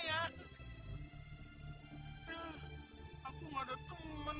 terima kasih ake boywa